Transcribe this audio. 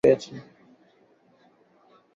আর সোনা, তুমি এটা পেয়েছ।